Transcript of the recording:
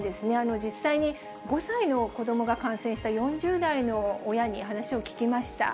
実際に５歳の子どもが感染した４０代の親に話を聞きました。